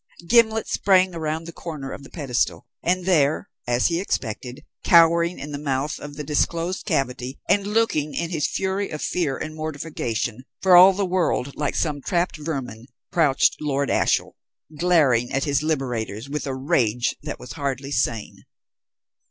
Gimblet sprang round the corner of the pedestal, and there, as he expected, cowering in the mouth of the disclosed cavity, and looking, in his fury of fear and mortification, for all the world like some trapped vermin, crouched Lord Ashiel, glaring at his liberators with a rage that was hardly sane.